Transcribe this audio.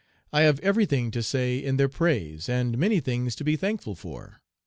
I have every thing to say in their praise, and many things to be thankful for.